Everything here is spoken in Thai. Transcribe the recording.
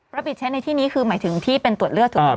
ปิดใช้ในที่นี้คือหมายถึงที่เป็นตรวจเลือดถูกไหม